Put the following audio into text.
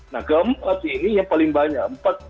nah keempat ini yang paling banyak